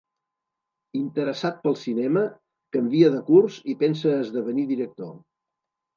Interessat pel cinema, canvia de curs i pensa esdevenir director.